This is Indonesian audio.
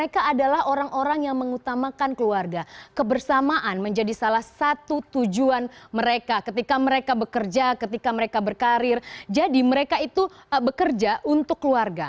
ketika mereka bekerja ketika mereka berkarir jadi mereka itu bekerja untuk keluarga